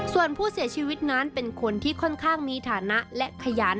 ส่วนผู้เสียชีวิตนั้นเป็นคนที่ค่อนข้างมีฐานะและขยัน